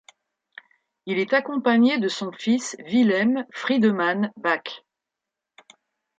Il est accompagné de son fils Wilhelm Friedemann Bach.